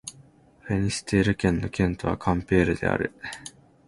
フィニステール県の県都はカンペールである